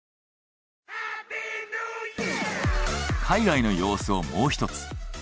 海外の様子をもう一つ。